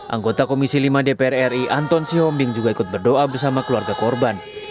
anggota komisi lima dpr ri anton sihombing juga ikut berdoa bersama keluarga korban